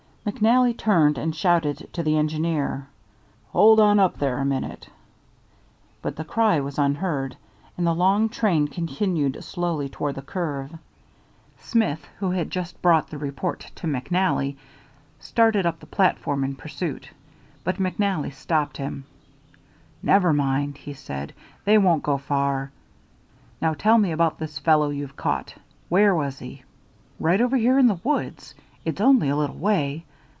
McNally turned and shouted to the engineer, "Hold on up there a minute"; but the cry was unheard, and the long train continued slowly toward the curve. Smith, who had just brought the report to McNally, started up the platform in pursuit, but McNally stopped him. "Never mind," he said. "They won't go far. Now tell me about this fellow you've caught. Where was he?" "Right over here in the woods; it's only a little way.